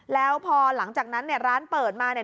แล้วพอหลังจากนั้นเนี่ยร้านเปิดมาเนี่ย